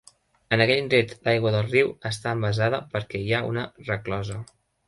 En aquell indret l'aigua del riu està embassada perquè hi ha una resclosa.